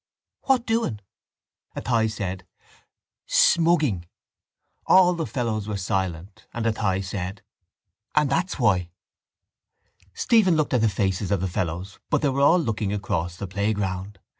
—What doing? Athy said: —Smugging. All the fellows were silent: and Athy said: —And that's why. Stephen looked at the faces of the fellows but they were all looking across the playground.